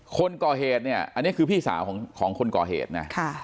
คนก่อเหตุเนี่ยอันนี้คือพี่สาวของคนก่อเหตุนะ